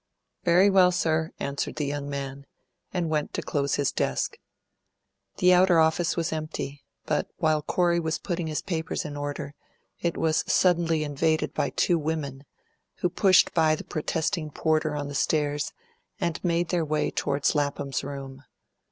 "Very well, sir," answered the young man, and went to close his desk. The outer office was empty; but while Corey was putting his papers in order it was suddenly invaded by two women, who pushed by the protesting porter on the stairs and made their way towards Lapham's room.